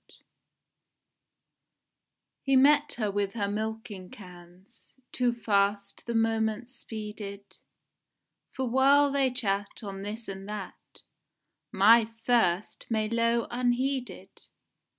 ENIGMA He met her with her milking cans, Too fast the moments speeded, For while they chat on this and that My first may low unheeded.